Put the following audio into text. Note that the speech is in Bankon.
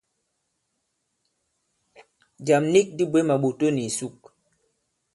Jàm nik dī bwě màɓòto nì ìsuk.